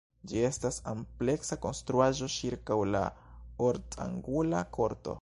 Ĝi estas ampleksa konstruaĵo ĉirkaŭ la ort-angula korto.